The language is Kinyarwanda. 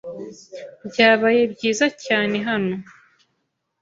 Byabaye byiza cyane hano.